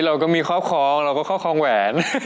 เราก็มีครอบครองเราก็ครอบครองแหวน